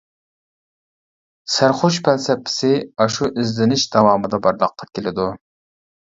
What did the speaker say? سەرخۇش پەلسەپىسى ئاشۇ ئىزدىنىش داۋامىدا بارلىققا كېلىدۇ.